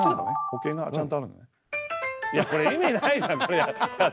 いやこれ意味ないじゃん。